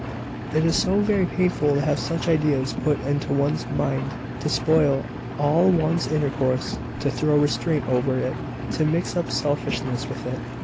It is so very painful to have such ideas put into one's mind, to spoil all one's intercourse to throw restraint over it to mix up selfishness with it!